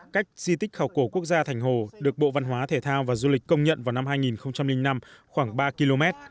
cách di tích khảo cổ quốc gia thành hồ được bộ văn hóa thể thao và du lịch công nhận vào năm hai nghìn năm khoảng ba km